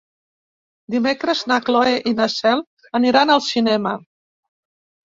Dimecres na Cloè i na Cel aniran al cinema.